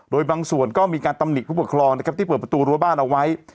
โดยบางส่วนก็มีการตำหนิผู้ปกครองนะครับที่เปิดประตูรั้วบ้านเอาไว้